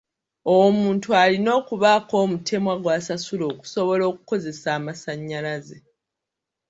Omuntu alina okubaako omutemwa gw'asasula okusobola okukozesa amasanyalaze.